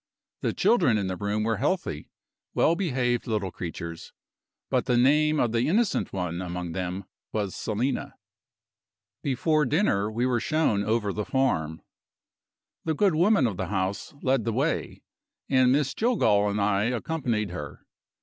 The children in the room were healthy, well behaved little creatures but the name of the innocent one among them was Selina. Before dinner we were shown over the farm. The good woman of the house led the way, and Miss Jillgall and I accompanied her.